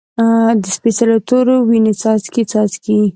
د سپیڅلو تورو، وینې څاڅکي، څاڅکي